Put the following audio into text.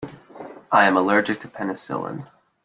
I am allergic to penicillin.